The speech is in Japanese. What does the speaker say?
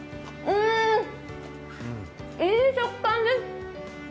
うーん、いい食感です。